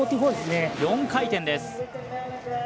４回転です。